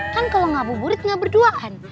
kan kalau ngabuburit gak berduaan